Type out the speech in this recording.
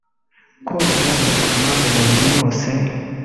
Koga bituma umubiri wose